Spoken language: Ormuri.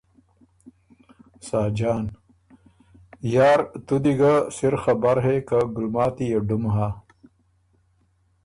ساجان ـــ ”یار تُو دی ګۀ سِر خبر هې که ګلماتی يې ډُم هۀ“